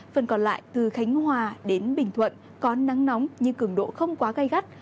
phần còn lại từ khánh hòa đến bình thuận có nắng nóng nhưng cường độ không quá gai gắt